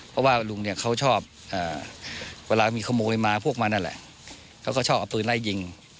เพราะว่าลุงเนี่ยเขาชอบเวลามีขโมยมาพวกมันนั่นแหละเขาก็ชอบเอาปืนไล่ยิง